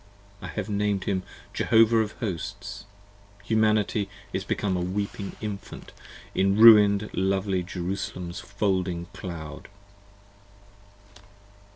I have named him Jehovah of Hosts. Humanity is become A weeping Infant in ruin'd lovely Jerusalem's folding Cloud!